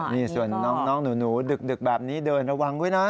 นี่ส่วนน้องหนูดึกแบบนี้เดินระวังด้วยนะ